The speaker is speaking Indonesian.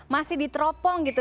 masih diteropong gitu